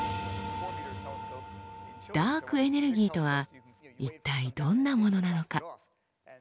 ダークエネルギーとは一体どんなものなのか。